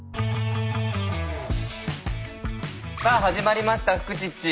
さあ始まりました「フクチッチ」。